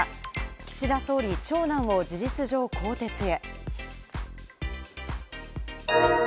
岸田総理、長男を事実上更迭へ。